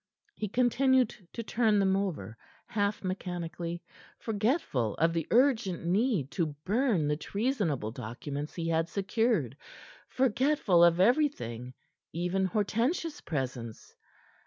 He continued to turn them over, half mechanically, forgetful of the urgent need to burn the treasonable documents he had secured, forgetful of everything, even Hortensia's presence.